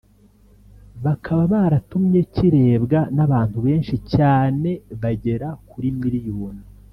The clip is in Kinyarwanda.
bakaba baratumye kirebwa n’abantu benshi cyane bagera kuri miliyoni